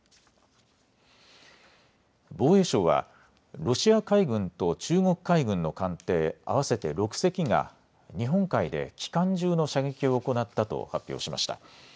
防衛省はロシア海軍と中国海軍の艦艇、合わせて６隻が日本海で機関銃の射撃を行ったと発表しました。